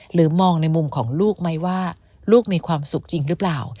มองในมุมของลูกไหมว่าลูกมีความสุขจริงหรือเปล่า